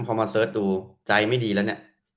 พอมาเสิร์ชดูใจไม่ดีแล้วเนี่ย